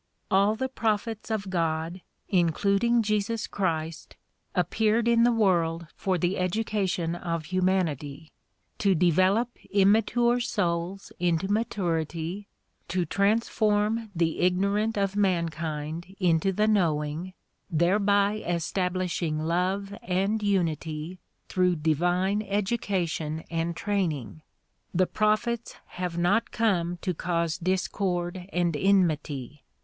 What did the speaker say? All the prophets of God, including Jesus Christ, appeared in the world for the education of humanity, to develop immature souls into maturity, to transform the ignorant of mankind into the know ing, thereby establishing love and unity through divine education and training. The prophets have not come to cause discord and enmity.